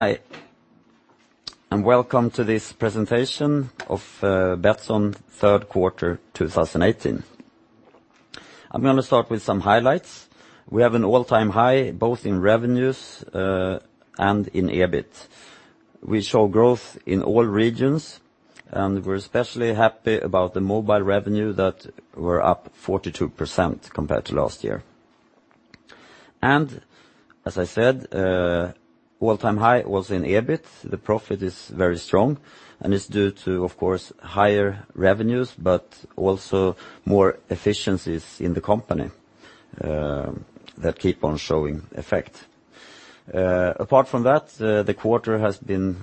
Hi, welcome to this presentation of Betsson third quarter 2018. I'm going to start with some highlights. We have an all-time high, both in revenues, in EBIT. We show growth in all regions, we're especially happy about the mobile revenue that we're up 42% compared to last year. As I said, all-time high also in EBIT. The profit is very strong, it's due to, of course, higher revenues, but also more efficiencies in the company, that keep on showing effect. Apart from that, the quarter has been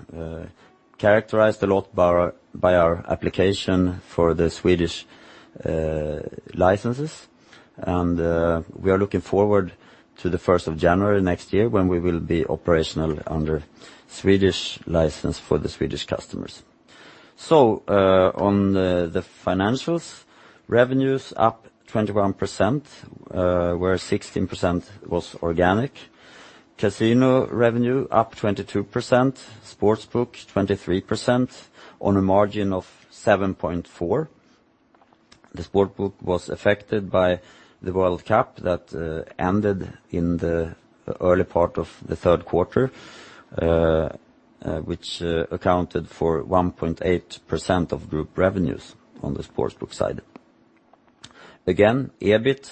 characterized a lot by our application for the Swedish licenses, we are looking forward to the 1st of January next year when we will be operational under Swedish license for the Swedish customers. On the financials, revenues up 21%, where 16% was organic. Casino revenue up 22%, sportsbook 23% on a margin of 7.4. The sportsbook was affected by the World Cup that ended in the early part of the third quarter, which accounted for 1.8% of group revenues on the sportsbook side. Again, EBIT,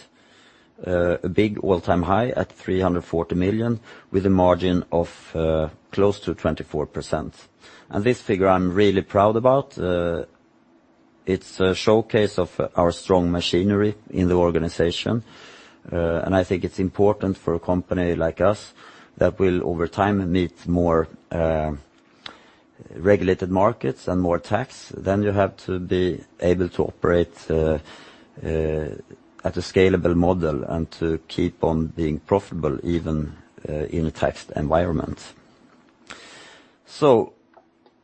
a big all-time high at 340 million with a margin of close to 24%. This figure I'm really proud about. It's a showcase of our strong machinery in the organization. I think it's important for a company like us that will over time need more regulated markets and more tax, then you have to be able to operate at a scalable model and to keep on being profitable even in a taxed environment.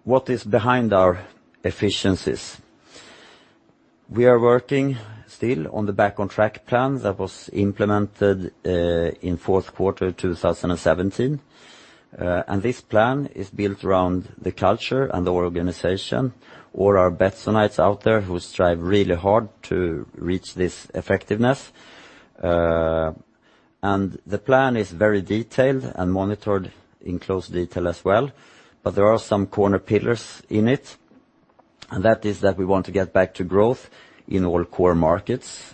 What is behind our efficiencies? We are working still on the Back on Track plan that was implemented in fourth quarter 2017. This plan is built around the culture and the organization, all our Betssonites out there who strive really hard to reach this effectiveness. The plan is very detailed and monitored in close detail as well, but there are some corner pillars in it, that is that we want to get back to growth in all core markets.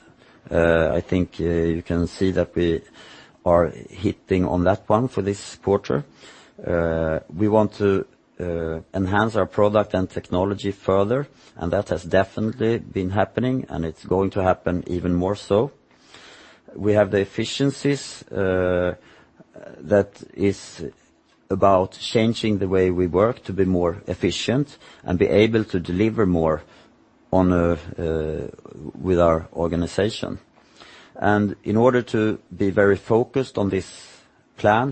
I think you can see that we are hitting on that one for this quarter. We want to enhance our product and technology further, that has definitely been happening, and it's going to happen even more so. We have the efficiencies, that is about changing the way we work to be more efficient and be able to deliver more with our organization. In order to be very focused on this plan,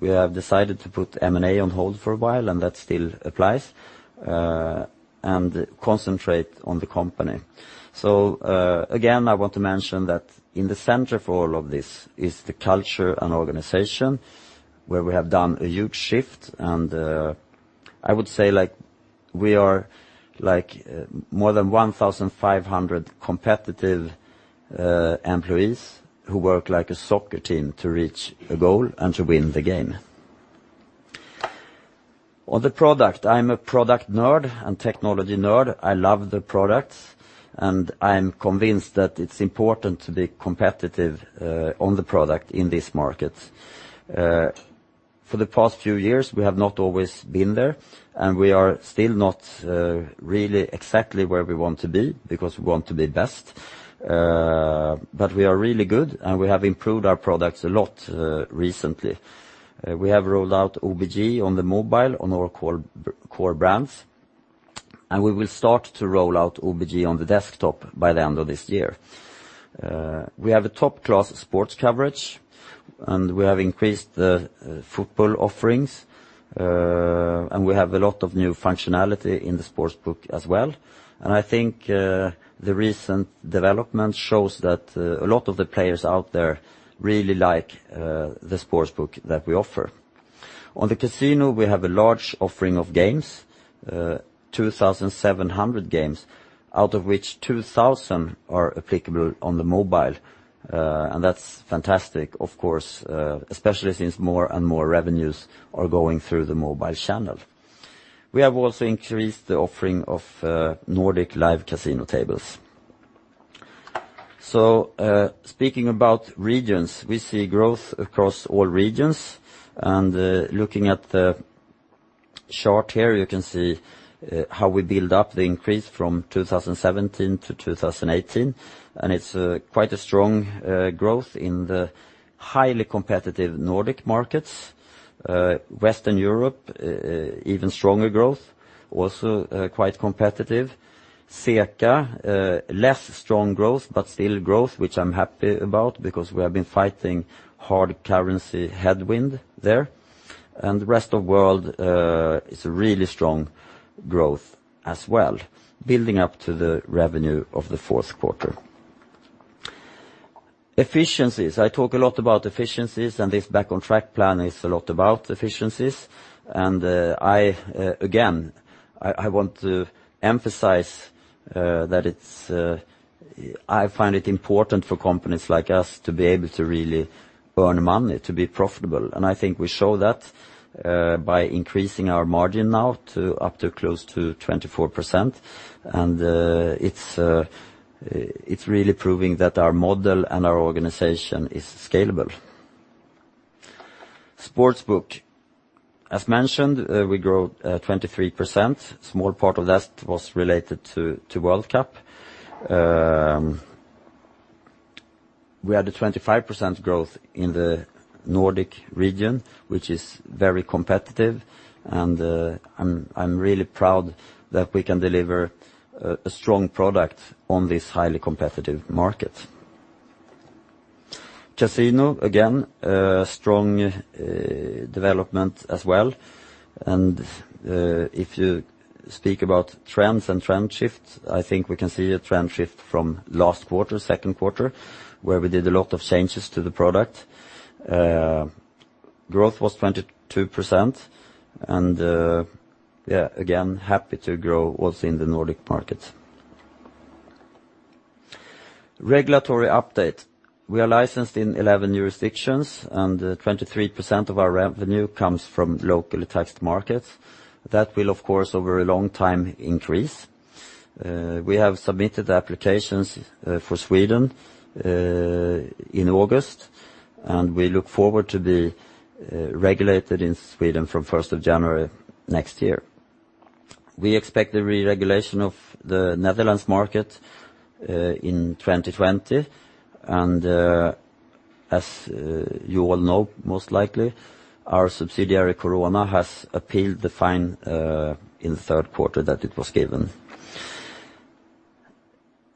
we have decided to put M&A on hold for a while, that still applies, concentrate on the company. Again, I want to mention that in the center for all of this is the culture and organization where we have done a huge shift, I would say we are more than 1,500 competitive employees who work like a soccer team to reach a goal and to win the game. On the product, I'm a product nerd and technology nerd. I love the products, I'm convinced that it's important to be competitive on the product in this market. For the past few years, we have not always been there, we are still not really exactly where we want to be because we want to be best. We are really good, and we have improved our products a lot recently. We have rolled out OBG on the mobile on our core brands, and we will start to roll out OBG on the desktop by the end of this year. We have a top-class sports coverage, and we have increased the football offerings, and we have a lot of new functionality in the sportsbook as well. I think the recent development shows that a lot of the players out there really like the sportsbook that we offer. On the casino, we have a large offering of games, 2,700 games, out of which 2,000 are applicable on the mobile. That's fantastic, of course, especially since more and more revenues are going through the mobile channel. We have also increased the offering of Nordic live casino tables. Speaking about regions, we see growth across all regions, and looking at the chart here, you can see how we build up the increase from 2017 to 2018, and it's quite a strong growth in the highly competitive Nordic markets. Western Europe, even stronger growth, also quite competitive. CECA, less strong growth, but still growth, which I'm happy about because we have been fighting hard currency headwind there. The rest of world is a really strong growth as well, building up to the revenue of the fourth quarter. Efficiencies. I talk a lot about efficiencies, and this Back on Track plan is a lot about efficiencies. Again, I want to emphasize that I find it important for companies like us to be able to really earn money, to be profitable. I think we show that by increasing our margin now to up to close to 24%, and it's really proving that our model and our organization is scalable. Sportsbook, as mentioned, we grew 23%. A small part of that was related to World Cup. We had a 25% growth in the Nordic region, which is very competitive, and I'm really proud that we can deliver a strong product on this highly competitive market. Casino, again, strong development as well. If you speak about trends and trend shifts, I think we can see a trend shift from last quarter, second quarter, where we did a lot of changes to the product. Growth was 22%, and again, happy to grow also in the Nordic market. Regulatory update. We are licensed in 11 jurisdictions, and 23% of our revenue comes from locally taxed markets. That will, of course, over a long time increase. We have submitted applications for Sweden in August, and we look forward to be regulated in Sweden from 1st of January next year. We expect the reregulation of the Netherlands market in 2020, and as you all know, most likely, our subsidiary, Corona, has appealed the fine in the third quarter that it was given.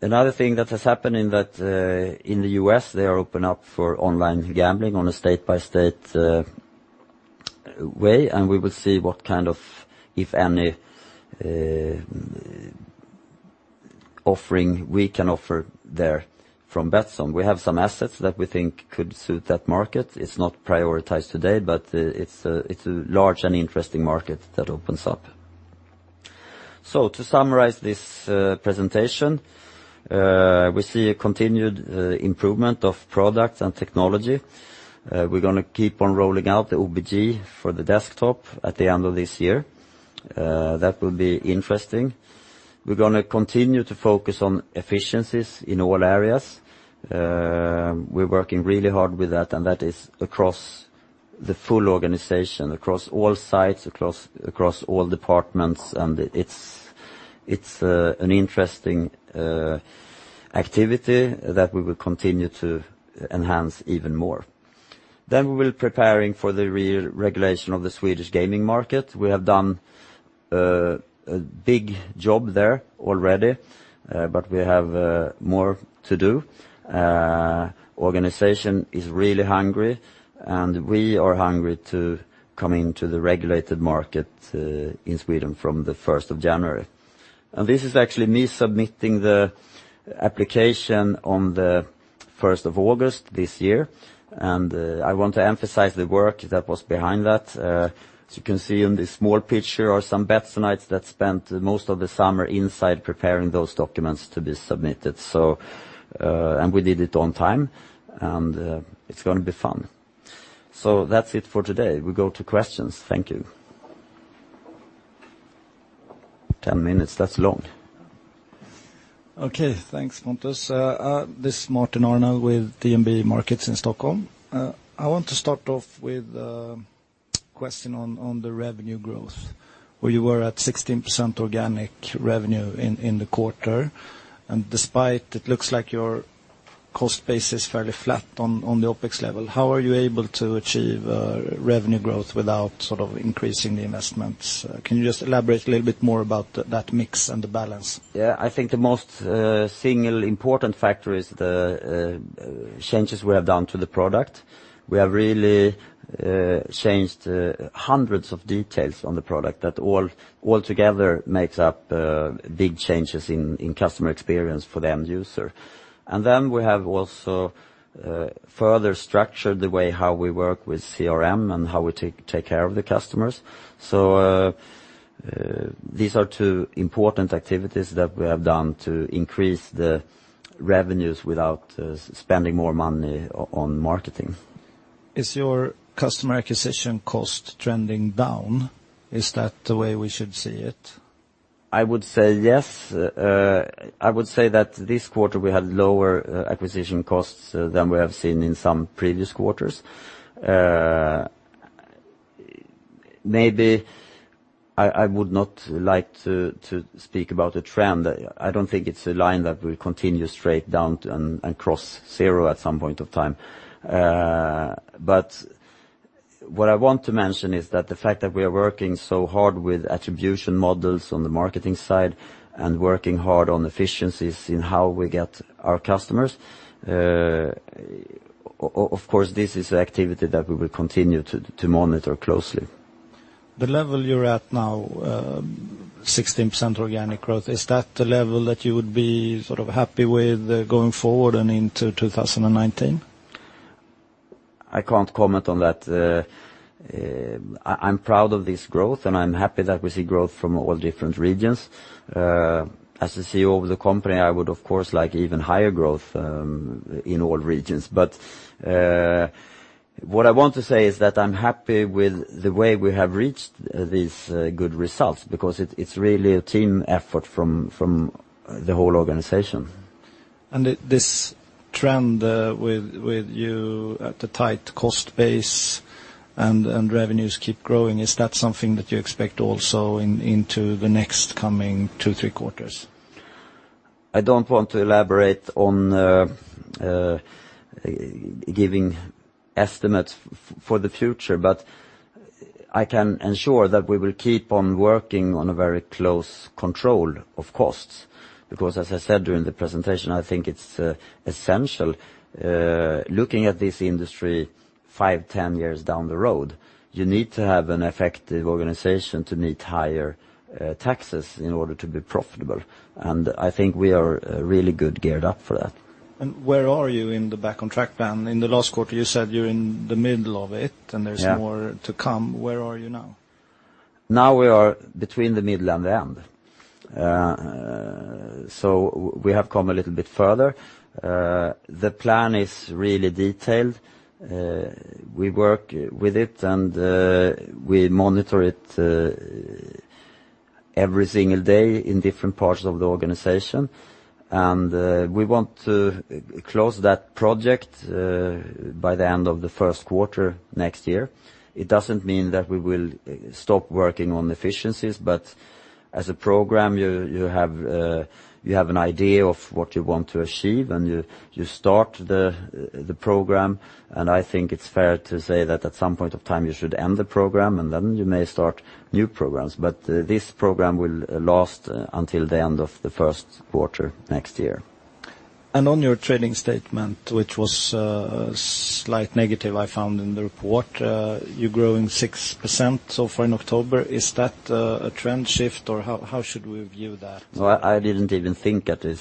Another thing that has happened in the U.S., they are open up for online gambling on a state-by-state way, and we will see what kind of, if any, offering we can offer there from Betsson. We have some assets that we think could suit that market. It's not prioritized today, but it's a large and interesting market that opens up. To summarize this presentation, we see a continued improvement of products and technology. We're going to keep on rolling out the OBG for the desktop at the end of this year. That will be interesting. We're going to continue to focus on efficiencies in all areas. We're working really hard with that, and that is across the full organization, across all sites, across all departments, and it's an interesting activity that we will continue to enhance even more. We will be preparing for the reregulation of the Swedish gaming market. We have done a big job there already, but we have more to do. Organization is really hungry, and we are hungry to come into the regulated market in Sweden from the 1st of January. This is actually me submitting the application on the 1st of August this year, and I want to emphasize the work that was behind that. As you can see in this small picture are some Betssonites that spent most of the summer inside preparing those documents to be submitted. We did it on time, and it's going to be fun. That's it for today. We go to questions. Thank you. 10 minutes, that's long. Okay. Thanks, Pontus. This is Martin Arnell with DNB Markets in Stockholm. I want to start off with a question on the revenue growth, where you were at 16% organic revenue in the quarter. Despite it looks like your cost base is fairly flat on the OPEX level, how are you able to achieve revenue growth without sort of increasing the investments? Can you just elaborate a little bit more about that mix and the balance? Yeah. I think the most single important factor is the changes we have done to the product. We have really changed hundreds of details on the product that all together makes up big changes in customer experience for the end user. We have also further structured the way how we work with CRM and how we take care of the customers. These are two important activities that we have done to increase the revenues without spending more money on marketing. Is your customer acquisition cost trending down? Is that the way we should see it? I would say yes. I would say that this quarter we had lower acquisition costs than we have seen in some previous quarters. Maybe I would not like to speak about a trend. I don't think it's a line that will continue straight down and cross zero at some point of time. What I want to mention is that the fact that we are working so hard with attribution models on the marketing side and working hard on efficiencies in how we get our customers, of course, this is activity that we will continue to monitor closely. The level you're at now, 16% organic growth, is that the level that you would be happy with going forward and into 2019? I can't comment on that. I'm proud of this growth, and I'm happy that we see growth from all different regions. As the CEO of the company, I would, of course, like even higher growth in all regions. What I want to say is that I'm happy with the way we have reached these good results because it's really a team effort from the whole organization. This trend with you at a tight cost base and revenues keep growing, is that something that you expect also into the next coming two, three quarters? I don't want to elaborate on giving estimates for the future, but I can ensure that we will keep on working on a very close control of costs, because as I said during the presentation, I think it's essential. Looking at this industry five, 10 years down the road, you need to have an effective organization to meet higher taxes in order to be profitable. I think we are really good geared up for that. Where are you in the Back on Track plan? In the last quarter, you said you're in the middle of it, and there's- Yeah more to come. Where are you now? Now we are between the middle and the end. We have come a little bit further. The plan is really detailed. We work with it, and we monitor it every single day in different parts of the organization. We want to close that project by the end of the first quarter next year. It doesn't mean that we will stop working on efficiencies, but as a program, you have an idea of what you want to achieve, and you start the program, and I think it's fair to say that at some point of time, you should end the program, and then you may start new programs. This program will last until the end of the first quarter next year. On your trading statement, which was slight negative, I found in the report, you're growing 6% so far in October. Is that a trend shift, or how should we view that? No, I didn't even think at that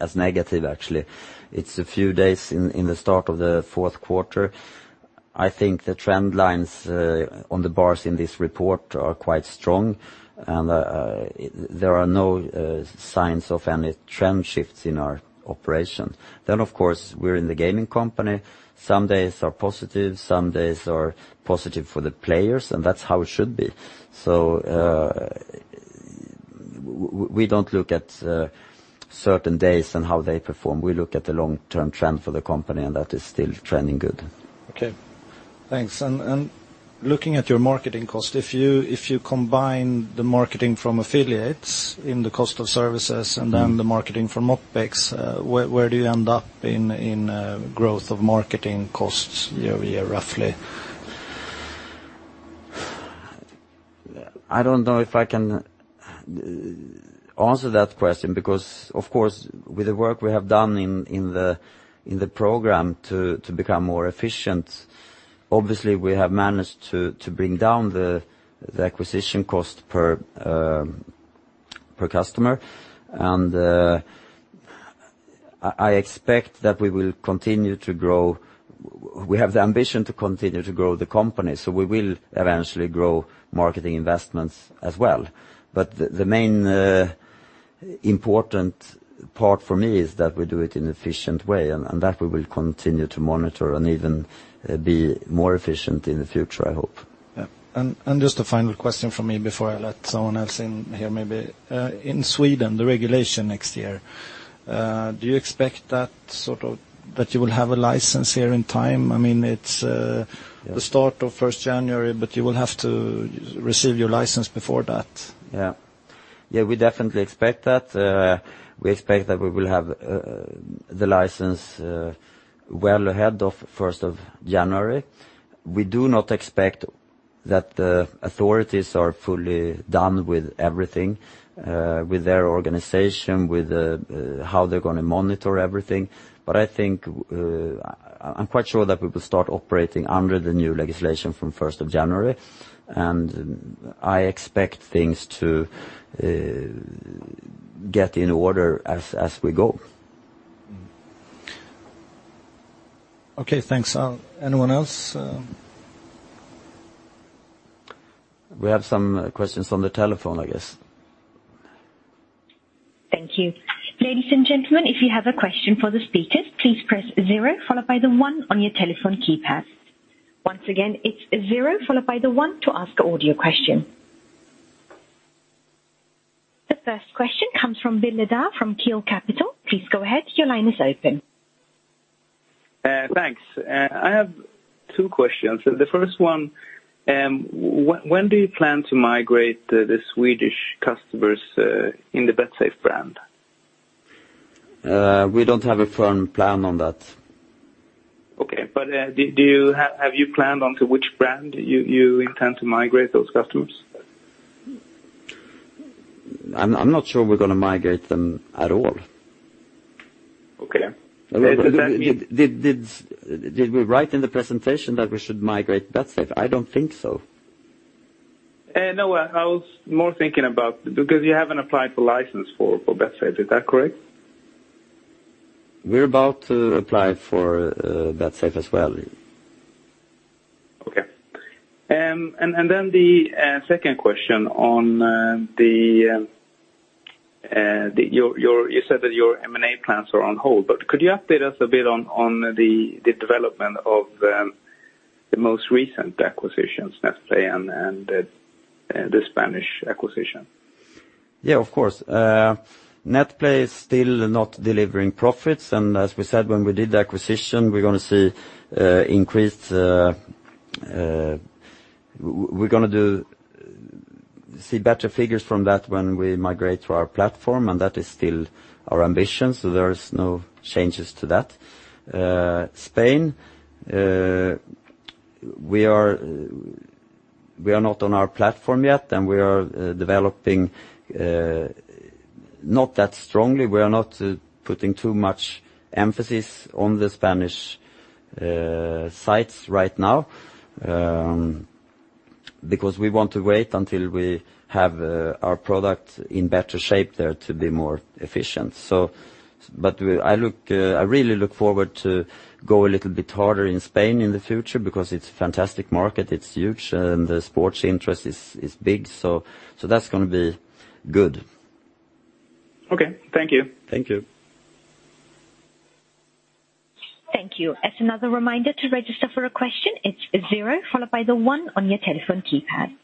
as negative, actually. It's a few days in the start of the fourth quarter. I think the trend lines on the bars in this report are quite strong, and there are no signs of any trend shifts in our operation. Of course, we're in the gaming company. Some days are positive, some days are positive for the players, and that's how it should be. We don't look at certain days and how they perform. We look at the long-term trend for the company, and that is still trending good. Okay, thanks. Looking at your marketing cost, if you combine the marketing from affiliates in the cost of services and then the marketing from OpEx, where do you end up in growth of marketing costs year-over-year, roughly? I don't know if I can answer that question because, of course, with the work we have done in the program to become more efficient, obviously, we have managed to bring down the acquisition cost per customer. I expect that we will continue to grow. We have the ambition to continue to grow the company, we will eventually grow marketing investments as well. The main important part for me is that we do it in efficient way, and that we will continue to monitor and even be more efficient in the future, I hope. Yeah. Just a final question from me before I let someone else in here maybe. In Sweden, the regulation next year, do you expect that you will have a license here in time? It's the start of 1st January, you will have to receive your license before that. Yeah. We definitely expect that. We expect that we will have the license well ahead of 1st of January. We do not expect that the authorities are fully done with everything, with their organization, with how they're going to monitor everything. I'm quite sure that we will start operating under the new legislation from 1st of January, and I expect things to get in order as we go. Okay, thanks. Anyone else? We have some questions on the telephone, I guess. Thank you. Ladies and gentlemen, if you have a question for the speakers, please press zero followed by the one on your telephone keypad. Once again, it's zero followed by the one to ask audio question. The first question comes from Bile Daar from Keel Capital. Please go ahead. Your line is open. Thanks. I have two questions. The first one, when do you plan to migrate the Swedish customers in the Betsafe brand? We don't have a firm plan on that. Okay. Have you planned onto which brand you intend to migrate those customers? I'm not sure we're going to migrate them at all. Okay. Does that mean Did we write in the presentation that we should migrate Betsafe? I don't think so. No, I was more thinking about, because you haven't applied for license for Betsafe, is that correct? We're about to apply for Betsafe as well. Okay. Then the second question on, you said that your M&A plans are on hold, but could you update us a bit on the development of the most recent acquisitions, Netplay and the Spanish acquisition? Yeah, of course. Netplay is still not delivering profits. As we said when we did the acquisition, we're going to see better figures from that when we migrate to our platform. That is still our ambition, so there's no changes to that. Spain, we are not on our platform yet. We are developing not that strongly. We are not putting too much emphasis on the Spanish sites right now. We want to wait until we have our product in better shape there to be more efficient. I really look forward to go a little bit harder in Spain in the future. It's a fantastic market. It's huge. The sports interest is big, so that's going to be good. Okay. Thank you. Thank you. Thank you. As another reminder to register for a question, it's zero followed by the one on your telephone keypad.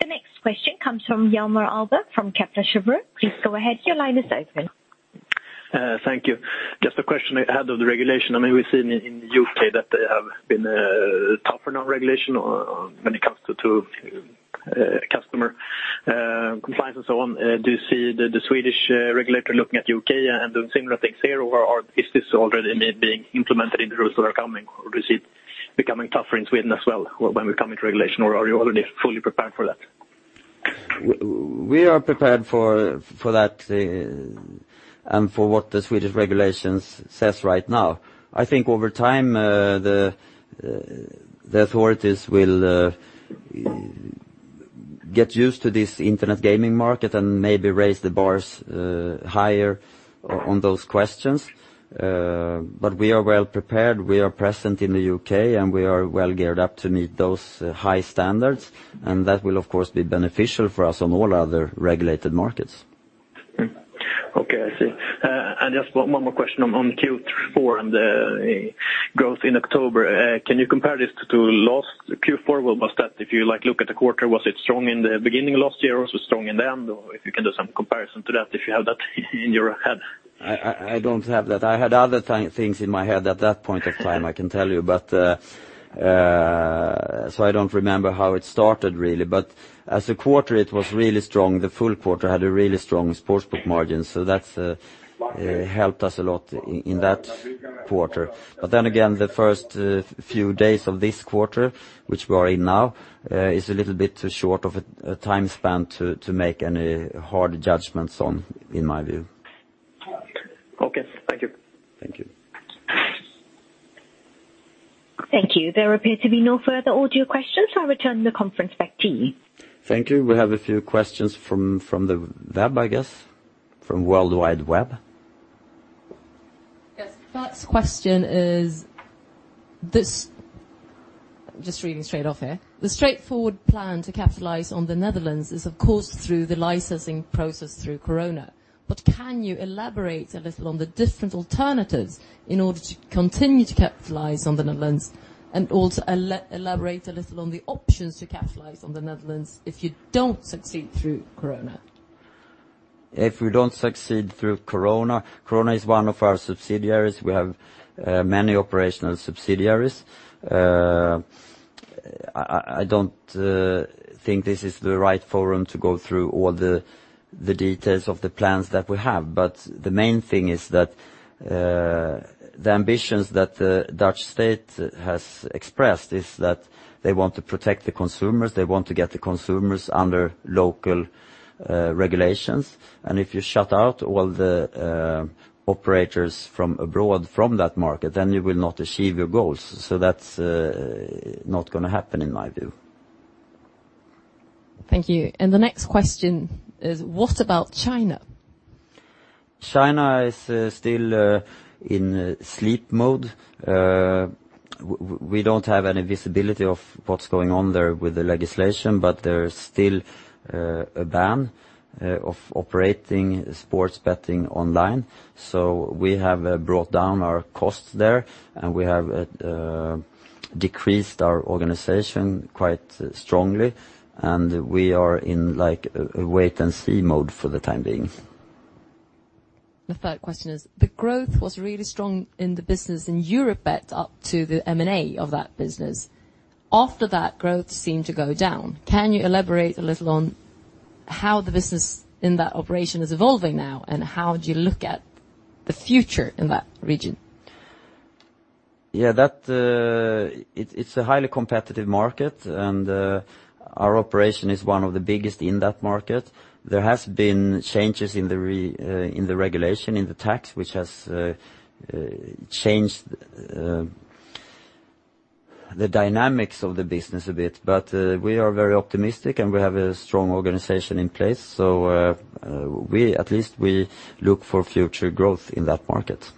The next question comes from Hjalmar Ahlberg from Kepler Cheuvreux. Please go ahead. Your line is open. Thank you. Just a question ahead of the regulation. We've seen in the U.K. that they have been tougher on regulation when it comes to customer compliance and so on. Do you see the Swedish regulator looking at U.K. and doing similar things here, or is this already being implemented in the rules that are coming? Is it becoming tougher in Sweden as well when we come into regulation, or are you already fully prepared for that? We are prepared for that and for what the Swedish regulations says right now. I think over time, the authorities will get used to this internet gaming market and maybe raise the bars higher on those questions. We are well prepared. We are present in the U.K., and we are well geared up to meet those high standards, and that will, of course, be beneficial for us on all other regulated markets. Okay. I see. Just one more question on Q4 and the growth in October. Can you compare this to last Q4? What was that? If you look at the quarter, was it strong in the beginning of last year? Was it strong in the end? Or if you can do some comparison to that, if you have that in your head. I don't have that. I had other things in my head at that point of time, I can tell you, I don't remember how it started, really. As a quarter, it was really strong. The full quarter had a really strong sportsbook margin, that helped us a lot in that quarter. Again, the first few days of this quarter, which we are in now, is a little bit too short of a time span to make any hard judgments on, in my view. Okay. Thank you. Thank you. Thank you. There appear to be no further audio questions. I return the conference back to you. Thank you. We have a few questions from the web, I guess. From World Wide Web. Yes. First question is, just reading straight off here. The straightforward plan to capitalize on the Netherlands is, of course, through the licensing process through Corona. Can you elaborate a little on the different alternatives in order to continue to capitalize on the Netherlands, and also elaborate a little on the options to capitalize on the Netherlands if you don't succeed through Corona? If we don't succeed through Corona. Corona is one of our subsidiaries. We have many operational subsidiaries. I don't think this is the right forum to go through all the details of the plans that we have. The main thing is that the ambitions that the Dutch state has expressed is that they want to protect the consumers, they want to get the consumers under local regulations, if you shut out all the operators from abroad from that market, then you will not achieve your goals. That's not going to happen, in my view. Thank you. The next question is, what about China? China is still in sleep mode. We don't have any visibility of what's going on there with the legislation, there is still a ban of operating sports betting online. We have brought down our costs there, we have decreased our organization quite strongly, we are in a wait-and-see mode for the time being. The third question is, the growth was really strong in the business in Europe, up to the M&A of that business. After that, growth seemed to go down. Can you elaborate a little on how the business in that operation is evolving now, how do you look at the future in that region? It's a highly competitive market, and our operation is one of the biggest in that market. There have been changes in the regulation, in the tax, which has changed the dynamics of the business a bit. We are very optimistic, and we have a strong organization in place. We, at least, look for future growth in that market.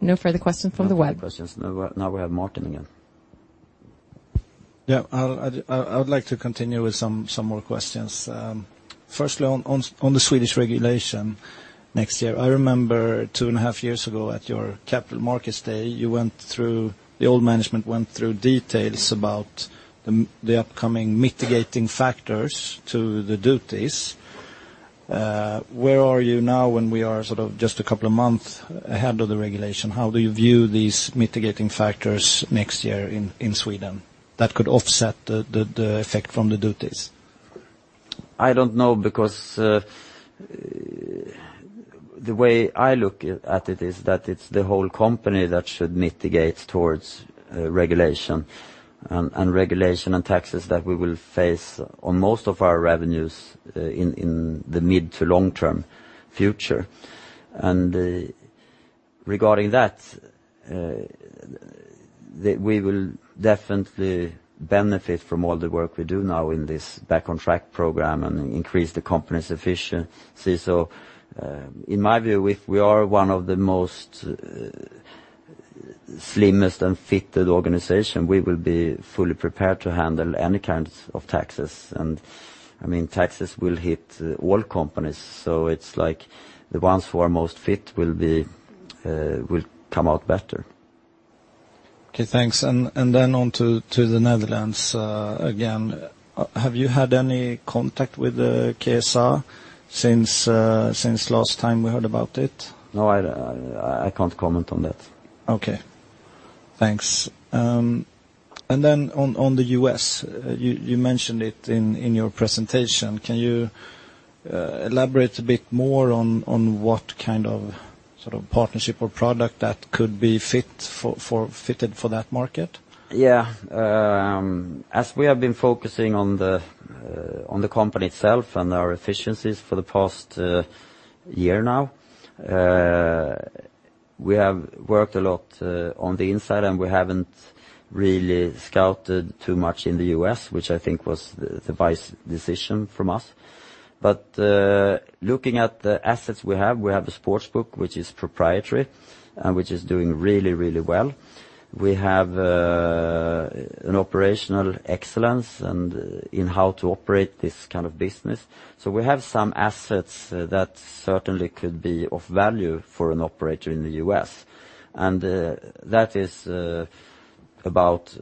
No further questions from the web. No further questions. Now we have Martin again. I would like to continue with some more questions. Firstly, on the Swedish regulation next year. I remember two and a half years ago at your capital markets day, the old management went through details about the upcoming mitigating factors to the duties. Where are you now when we are just a couple of months ahead of the regulation? How do you view these mitigating factors next year in Sweden that could offset the effect from the duties? I don't know, because the way I look at it is that it's the whole company that should mitigate towards regulation and taxes that we will face on most of our revenues in the mid to long-term future. Regarding that, we will definitely benefit from all the work we do now in this Back on Track program and increase the company's efficiency. In my view, if we are one of the slimmest and fittest organization, we will be fully prepared to handle any kinds of taxes. Taxes will hit all companies, so it's like the ones who are most fit will come out better. Okay, thanks. Then on to the Netherlands again. Have you had any contact with the Kansspelautoriteit since last time we heard about it? No, I can't comment on that. Okay. Thanks. Then on the U.S., you mentioned it in your presentation. Can you elaborate a bit more on what kind of partnership or product that could be fitted for that market? Yeah. As we have been focusing on the company itself and our efficiencies for the past year now, we have worked a lot on the inside, and we haven't really scouted too much in the U.S., which I think was the wise decision from us. Looking at the assets we have, we have a sports book which is proprietary and which is doing really, really well. We have an operational excellence in how to operate this kind of business. We have some assets that certainly could be of value for an operator in the U.S., and that is about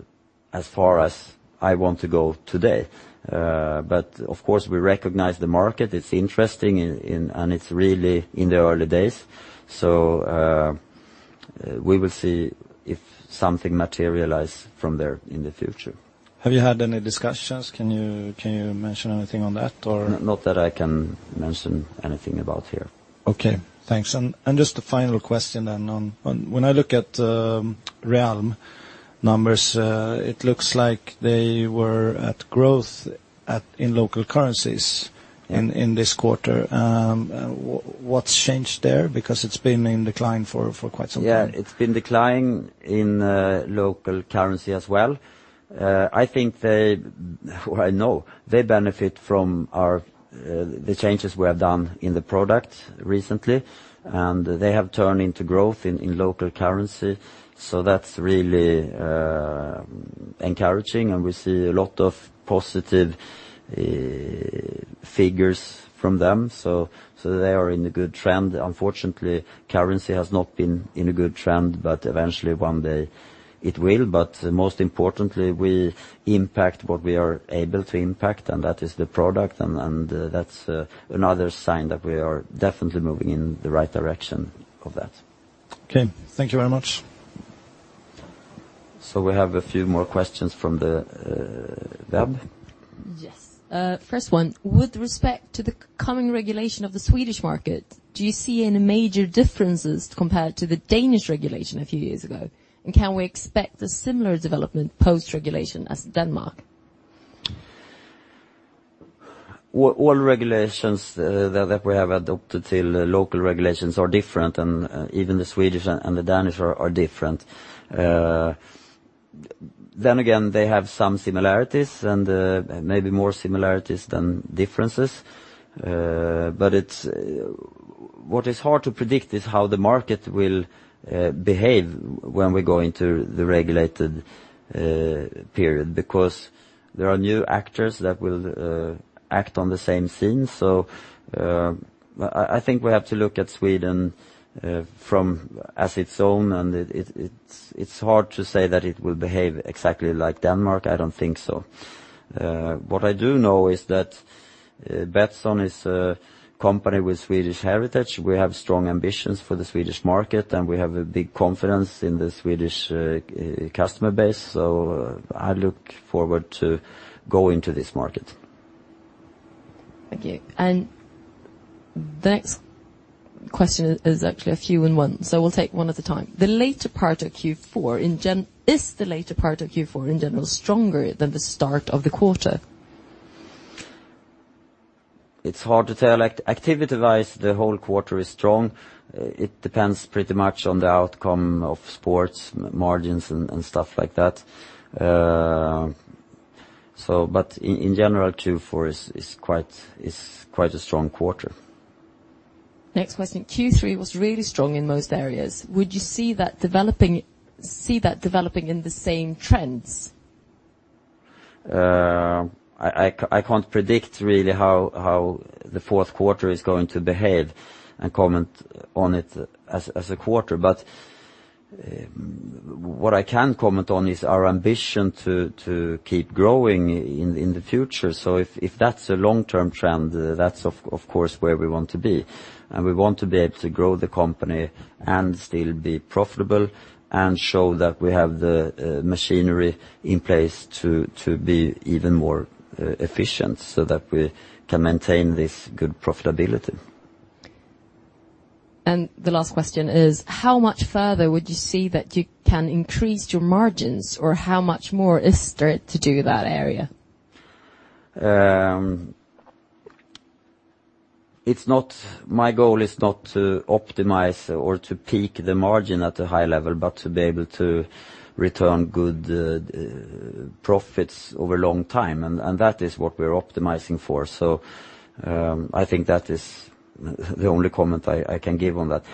as far as I want to go today. Of course, we recognize the market. It's interesting, and it's really in the early days. We will see if something materialize from there in the future. Have you had any discussions? Can you mention anything on that, or? Not that I can mention anything about here. Okay. Thanks. Just a final question then on, when I look at the Realm numbers, it looks like they were at growth in local currencies in this quarter. Yeah. What's changed there? It's been in decline for quite some time. It's been declining in local currency as well. I know they benefit from the changes we have done in the product recently. They have turned into growth in local currency, that's really encouraging. We see a lot of positive figures from them. They are in a good trend. Unfortunately, currency has not been in a good trend, eventually one day it will. Most importantly, we impact what we are able to impact, that is the product, that's another sign that we are definitely moving in the right direction of that. Thank you very much. We have a few more questions from the web. Yes. First one, with respect to the coming regulation of the Swedish market, do you see any major differences compared to the Danish regulation a few years ago? Can we expect a similar development post-regulation as Denmark? All regulations that we have adopted till local regulations are different, even the Swedish and the Danish are different. Again, they have some similarities and maybe more similarities than differences. What is hard to predict is how the market will behave when we go into the regulated period because there are new actors that will act on the same scene. I think we have to look at Sweden as its own, and it's hard to say that it will behave exactly like Denmark. I don't think so. What I do know is that Betsson is a company with Swedish heritage. We have strong ambitions for the Swedish market, and we have a big confidence in the Swedish customer base. I look forward to going to this market. Thank you. The next question is actually a few in one, we'll take one at a time. Is the later part of Q4 in general stronger than the start of the quarter? It's hard to tell. Activity-wise, the whole quarter is strong. It depends pretty much on the outcome of sports margins and stuff like that. In general, Q4 is quite a strong quarter. Next question. Q3 was really strong in most areas. Would you see that developing in the same trends? What I can comment on is our ambition to keep growing in the future. If that's a long-term trend, that's of course where we want to be. We want to be able to grow the company and still be profitable and show that we have the machinery in place to be even more efficient, so that we can maintain this good profitability. The last question is, how much further would you see that you can increase your margins, or how much more is there to do in that area? My goal is not to optimize or to peak the margin at a high level, but to be able to return good profits over a long time, and that is what we're optimizing for. I think that is the only comment I can give on that.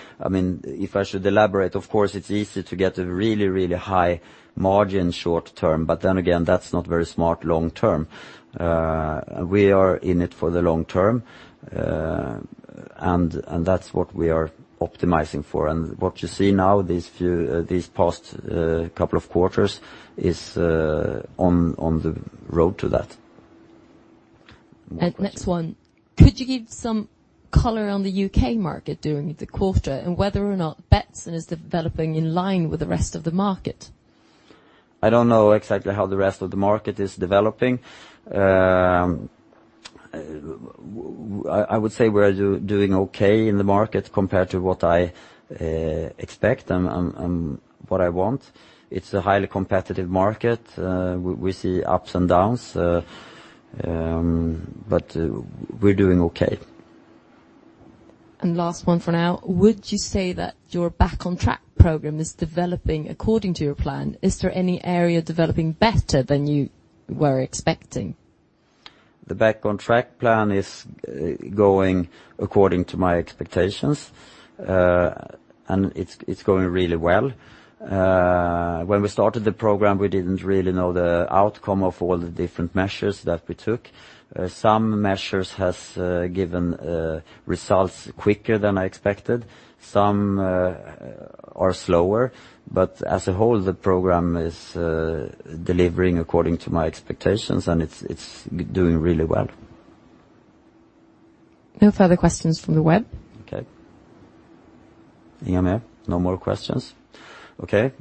If I should elaborate, of course, it's easy to get a really high margin short term, but then again, that's not very smart long term. We are in it for the long term, and that's what we are optimizing for. What you see now, these past couple of quarters, is on the road to that. Next one. Could you give some color on the U.K. market during the quarter, and whether or not Betsson is developing in line with the rest of the market? I don't know exactly how the rest of the market is developing. I would say we're doing okay in the market compared to what I expect and what I want. It's a highly competitive market. We see ups and downs. We're doing okay. Last one for now. Would you say that your Back on Track program is developing according to your plan? Is there any area developing better than you were expecting? The Back on Track plan is going according to my expectations, and it's going really well. When we started the program, we didn't really know the outcome of all the different measures that we took. Some measures have given results quicker than I expected. Some are slower. As a whole, the program is delivering according to my expectations, and it's doing really well. No further questions from the web. Okay. No more questions. Okay.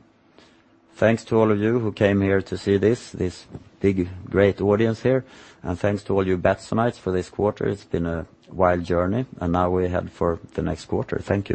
Thanks to all of you who came here to see this big, great audience here. Thanks to all you Betssonites for this quarter. It's been a wild journey, and now we head for the next quarter. Thank you